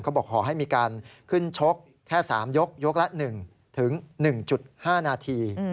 บอกขอให้มีการขึ้นชกแค่๓ยกยกละ๑๑๕นาที